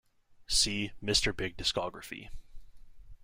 "See: Mr. Big Discography"